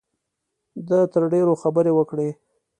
ده تر ډېرو خبرې وکړې.